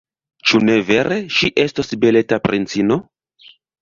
Ĉu ne vere, ŝi estos beleta princino?